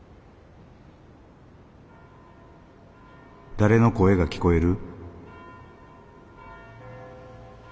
「誰の声が聞こえる？」。